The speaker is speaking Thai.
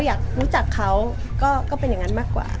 อยากรู้จักเขาก็เป็นอย่างนั้นมากกว่า